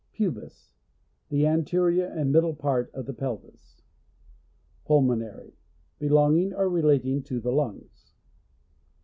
Pubis. — The anterior and middle part of the pelvis. Pulmonary. — Belonging or relating to the lungs.